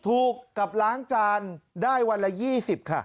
ถูกกับล้างจานได้วันละ๒๐ค่ะ